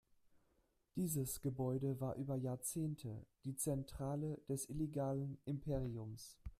Dieses Gebäude war über Jahrzehnte die Zentrale des illegalen Imperiums.